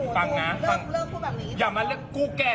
โปรดติดตามต่อไป